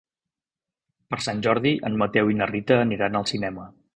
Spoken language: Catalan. Per Sant Jordi en Mateu i na Rita aniran al cinema.